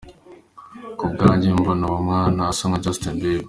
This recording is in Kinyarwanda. Ku bwanjye mbona uwo mwana asa na Justin Bieber”.